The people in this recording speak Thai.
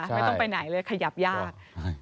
ไม่ต้องไปไหนเลยขยับยาก